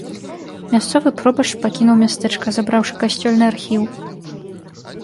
Мясцовы пробашч пакінуў мястэчка, забраўшы касцёльны архіў.